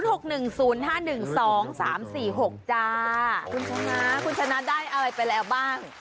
คุณชนะคุณชนะได้อะไรไปแล้วบ้าง